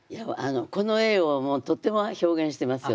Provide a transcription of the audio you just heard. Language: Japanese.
この絵をとっても表現してますよね。